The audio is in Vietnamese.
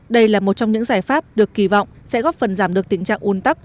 đây là một trong những giải pháp được kỳ vọng sẽ góp phần giảm được tình trạng un tắc